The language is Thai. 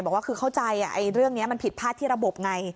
บอกว่าคือเข้าใจเรื่องนี้มันผิดพลาดที่ระบบไง